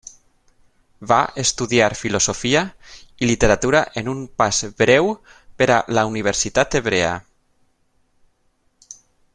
Va estudiar filosofia i literatura en un pas breu per a la Universitat Hebrea.